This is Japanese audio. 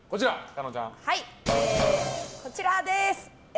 こちらです！